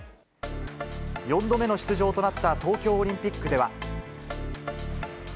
４度目の出場となった東京オリンピックでは。